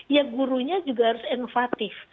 ya gurunya juga harus inovatif